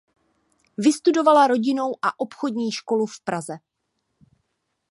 Vystudovala rodinnou a obchodní školu v Praze.